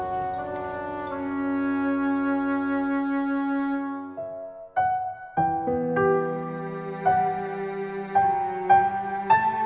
sebelum dia berubah